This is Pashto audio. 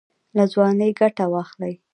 له ځوانۍ ګټه واخلئ